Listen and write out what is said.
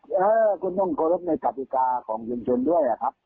คุณต้องคุณต้องโกรธในกราบิกาของชุมชนด้วยครับ